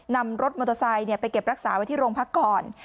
นำรถมอเตอร์ไซค์ไปเก็บรักษาไว้ที่โรงพักก่อน